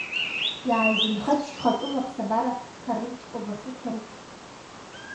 Иааизынхеит шьхатәыла аԥсабара қарынџь-Овасы ҭырқә.